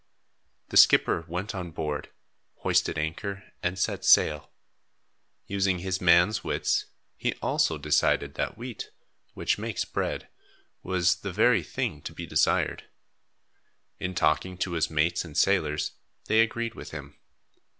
The skipper went on board, hoisted anchor and set sail. Using his man's wits, he also decided that wheat, which makes bread, was the very thing to be desired. In talking to his mates and sailors, they agreed with him.